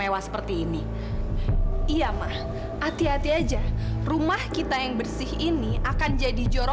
jangan sampai kalian bikin saya marah lagi